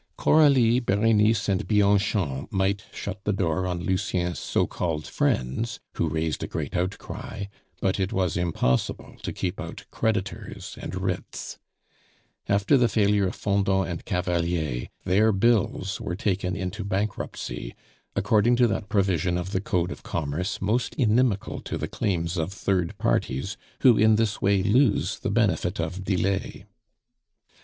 Coralie, Berenice, and Bianchon might shut the door on Lucien's so called friends, who raised a great outcry, but it was impossible to keep out creditors and writs. After the failure of Fendant and Cavalier, their bills were taken into bankruptcy according to that provision of the Code of Commerce most inimical to the claims of third parties, who in this way lose the benefit of delay.